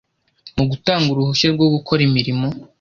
mu gutanga uruhushya rwo gukora imirimo